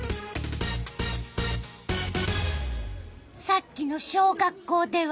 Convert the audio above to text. さっきの小学校では。